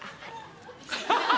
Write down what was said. アハハハ！